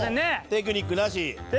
テクニックなし。